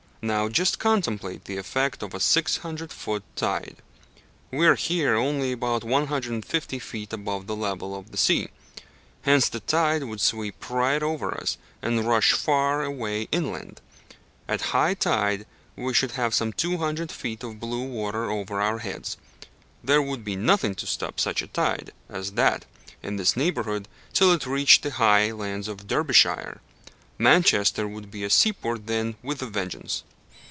Now just contemplate the effect of a 600 foot tide. We are here only about 150 feet above the level of the sea; hence, the tide would sweep right over us and rush far away inland. At high tide we should have some 200 feet of blue water over our heads. There would be nothing to stop such a tide as that in this neighbourhood till it reached the high lands of Derbyshire. Manchester would be a seaport then with a vengeance!